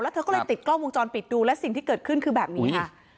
เธอก็เลยติดกล้องวงจรปิดดูและสิ่งที่เกิดขึ้นคือแบบนี้ค่ะ